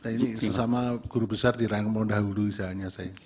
ini sesama guru besar di rangka mudahulu misalnya saya